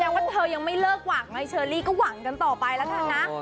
ว่าเธอยังไม่เลิกหวังไงเชอรี่ก็หวังกันต่อไปแล้วกันนะ